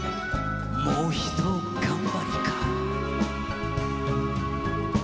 「もうひと頑張りか」